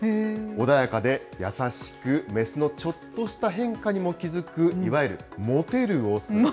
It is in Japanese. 穏やかで優しく、雌のちょっとした変化にも気付く、いわゆるモテる雄。